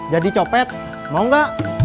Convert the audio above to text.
jadi copet mau gak